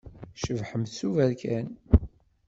Tcebḥemt s uberkan.